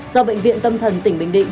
do bệnh viện tâm thần tỉnh bình định